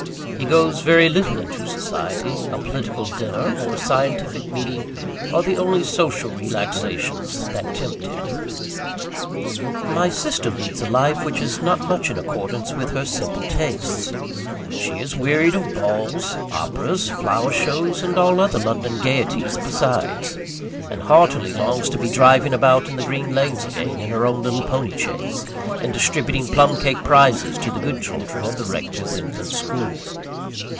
He goes very little into society a political dinner, or a scientific meeting are the only social relaxations that tempt him. My sister leads a life which is not much in accordance with her simple tastes. She is wearied of balls, operas, flower shows, and all other London gaieties besides; and heartily longs to be driving about the green lanes again in her own little poney chaise, and distributing plum cake prizes to the good children at the Rector's Infant School.